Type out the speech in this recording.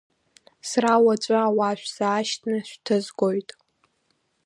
Сара уаҵәы ауаа шәзаашьҭны шәҭызгоит.